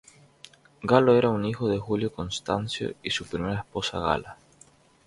Galo era un hijo de Julio Constancio y su primera esposa Gala.